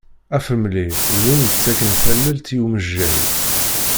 Afremli d win yettaken tallelt i umejjay.